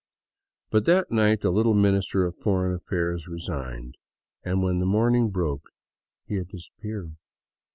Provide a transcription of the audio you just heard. But that night the little Minister of Foreign Affairs resigned, and when morning broke he had disap peared.